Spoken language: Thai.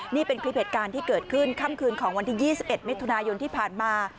นี่เป็นคลิปเหตุการณ์ที่เกิดขึ้นค่ำคืนของวันที่๒๑มิถุนายนที่ผ่านมา